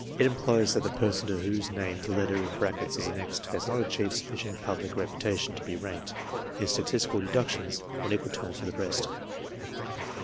It implies that the person to whose name the letter in brackets is annexed has not achieved sufficient public reputation to be ranked, in statistical deductions, on equal terms with the rest.